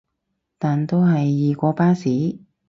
但都係易過巴士